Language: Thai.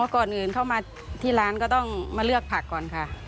ก่อนอื่นเข้ามาที่ร้านก็ต้องมาเลือกผักก่อนค่ะ